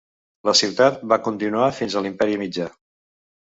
La ciutat va continuar fins a l'Imperi Mitjà.